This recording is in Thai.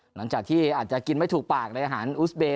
หลังจากที่อาจจะกินไม่ถูกปากในอาหารอุสเบย